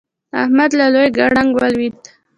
احمد له لوی ګړنګ ولوېد.